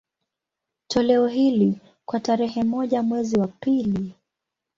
Toleo hili, kwa tarehe moja mwezi wa pili